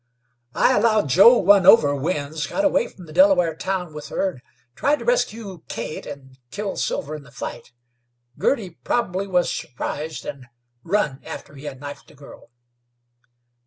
"I allow Joe won over Winds, got away from the Delaware town with her, tried to rescue Kate, and killed Silver in the fight. Girty probably was surprised, an' run after he had knifed the girl."